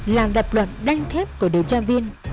là lập luận đanh thép của điều tra viên